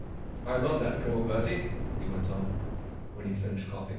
44 I love that girl, Bertie," he went on, when he'd finished coughing.